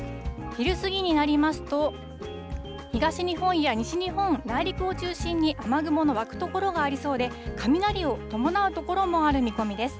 昼過ぎになりますと、東日本や西日本、内陸を中心に、雨雲の湧く所がありそうで、雷を伴う所もある見込みです。